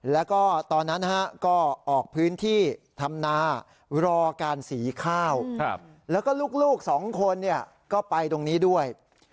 แล้วก็ตอนนั้นก็ออกพื้นที่ทำนารอการสีข้าวแล้วก็ลูกสองคนก็ไปตรงนี้ด้วย